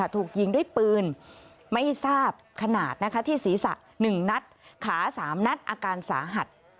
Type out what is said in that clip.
ถูกยิงด้วยปืนไม่ทราบขนาดที่ศีรษะ๑นัดขา๓นัดอาการสาหัส